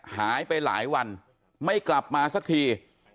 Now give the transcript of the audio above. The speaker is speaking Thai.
หายไปหลายวันไม่กลับมาสักที